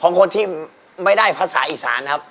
ของคนที่ไม่ได้ภาษาอีสานนะครับ